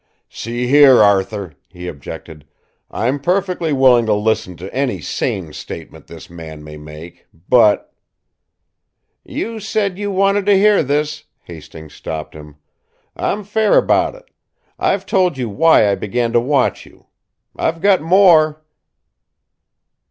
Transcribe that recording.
"See here, Arthur!" he objected. "I'm perfectly willing to listen to any sane statement this man may make, but " "You said you wanted to hear this!" Hasting stopped him. "I'm fair about it. I've told you why I began to watch you. I've got more."